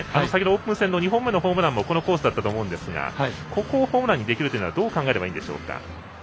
先ほどのオープン戦の２本目のホームランもこのコースだったと思いますがここをホームランにできるのはどう考えればいいでしょうか。